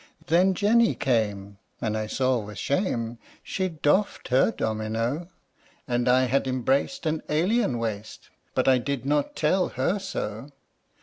Then Jenny came, and I saw with shame She'd doffed her domino; And I had embraced an alien waist But I did not tell her so.